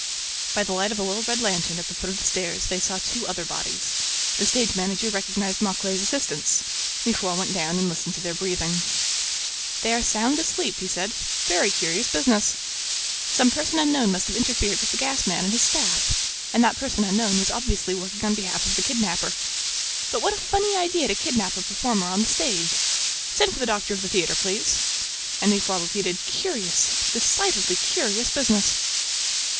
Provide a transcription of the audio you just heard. By the light of a little red lantern, at the foot of the stairs, they saw two other bodies. The stage manager recognized Mauclair's assistants. Mifroid went down and listened to their breathing. "They are sound asleep," he said. "Very curious business! Some person unknown must have interfered with the gas man and his staff ... and that person unknown was obviously working on behalf of the kidnapper ... But what a funny idea to kidnap a performer on the stage! ... Send for the doctor of the theater, please." And Mifroid repeated, "Curious, decidedly curious business!"